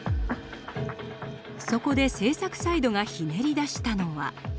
そこで製作サイドがひねり出したのは？